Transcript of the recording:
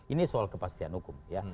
ini soal kepastian hukum ya